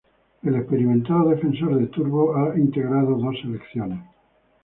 El experimentado defensor de Turbo ha integrado dos selecciones.